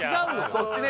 そっちね。